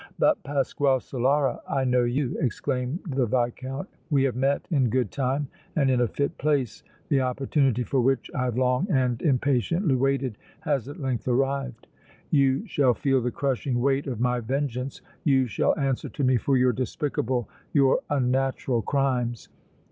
"But, Pasquale Solara, I know you!" exclaimed the Viscount. "We have met in good time and in a fit place! The opportunity for which I have long and impatiently waited has at length arrived! You shall feel the crushing weight of my vengeance! You shall answer to me for your despicable, your unnatural crimes!